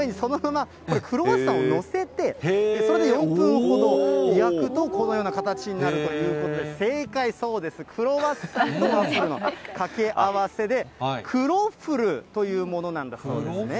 こちらなんですがね、ワッフルメーカーの上に、そのままクロワッサンを載せて、それで４分ほど焼くと、このような形になるということで、正解、そうです、クロワッサンとワッフルのかけ合わせで、クロッフルというものなんだそうですね。